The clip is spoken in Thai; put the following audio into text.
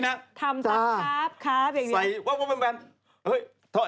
หอนทั้งคืนโอ้โห